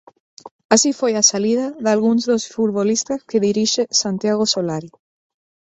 Así foi a saída dalgúns dos futbolistas que dirixe Santiago Solari.